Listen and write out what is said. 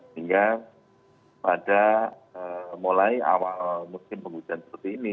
sehingga pada mulai awal musim penghujan seperti ini